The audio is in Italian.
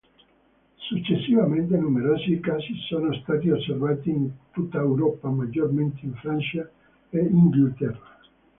Successivamente numerosi casi sono stati osservati in tutta Europa maggiormente in Francia e Inghilterra.